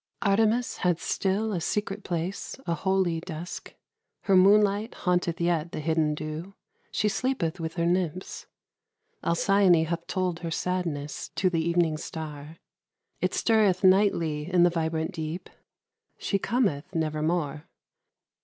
Artemis 92 MUSIC. Had still a secret place, a holy dusk; Her moonlight haunteth yet the hidden dew: She sleepeth with her nymphs. Alcyone Hath told her sadness to the evening star. It stirreth nightly in the vibrant deep : She cometh nevermore.